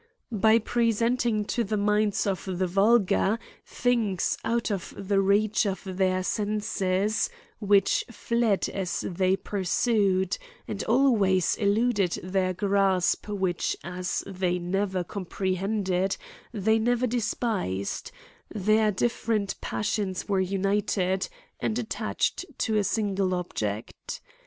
By present ing to the minds of the vulgar things out of thjC reach of their senses, which fled as they pursued, and always eluded their grasp which as they ne ver comprehended, they never despised, their dif ferent passions wore united, and attached to a smgle object.